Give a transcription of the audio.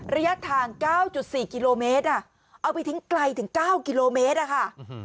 ระยะทาง๙๔กิโลเมตรเอาไปทิ้งไกลถึง๙กิโลเมตรอะค่ะ